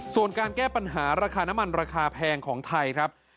ส่วนการแก้ปัญหาราคาน้ำมันราคาแพงของไทยครับ